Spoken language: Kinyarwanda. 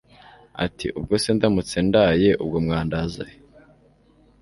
atiubwo se ndamutse ndaye ubwo mwandaza he